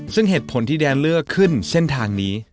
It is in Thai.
ซึ่งเหตุผลที่แดนเลือกขึ้นเส้นทางนี้